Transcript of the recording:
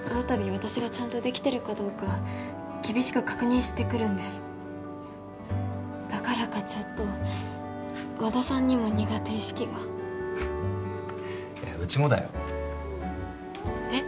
私がちゃんとできてるかどうか厳しく確認してくるんですだからかちょっと和田さんにも苦手意識がフフッうちもだよえっ？